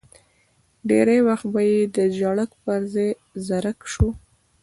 ډېری وخت به یې د ژړک پر ځای زرک شو.